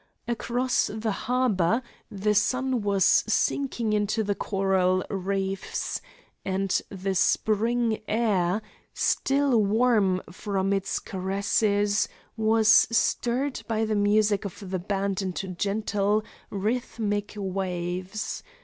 Across the harbor the sun was sinking into the coral reefs, and the spring air, still warm from its caresses, was stirred by the music of the band into gentle, rhythmic waves.